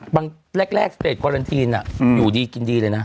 บางแรกสเตรียดกวาลันทีนอยู่ดีกินดีเลยนะ